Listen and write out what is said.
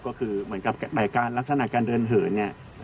ก็คือเหมือนกับรายการลักษณะการเดินเหินเนี่ย